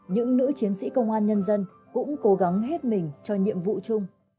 những nữ chiến sĩ công an nhân dân cũng cố gắng hết mình cho nhiệm vụ chung